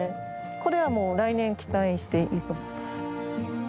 これはもう来年期待していいと思います。